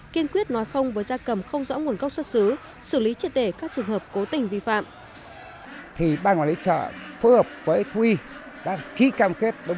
kiên quyết nói không với da cầm không rõ nguồn gốc xuất xứ xử lý triệt để các trường hợp cố tình vi phạm